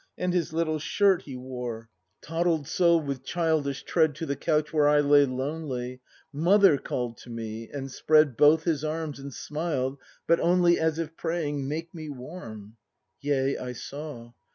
And his little shirt he wore, — Toddled so with childish tread To the couch where I lay lonely, "Mother!" call'd to me, and spread Both his arms, and smiled, but only As if praying: "Make me warm." Yea, I saw!